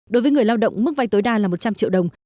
đối với người lao động mức vay tối đa là một trăm linh triệu đồng